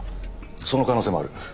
その可能性もある。